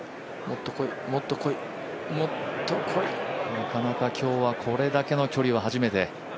なかなか今日は、これだけの距離は初めて。